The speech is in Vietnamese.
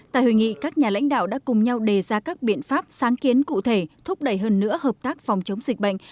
tại hội nghị các nhà lãnh đạo đã cùng nhau đề ra các biện pháp sáng kiến cụ thể thúc đẩy hơn nữa hợp tác phòng chống dịch bệnh